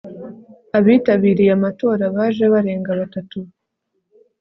abitabiriye amatora baje barenga batatu